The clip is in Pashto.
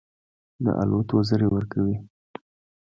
د الوت وزرې ورکوي.